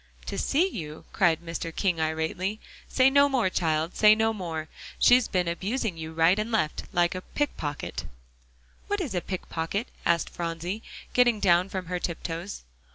"To see you?" cried Mr. King irately. "Say no more, child, say no more. She's been abusing you right and left, like a pick pocket." "What is a pick pocket?" asked Phronsie, getting down from her tiptoes.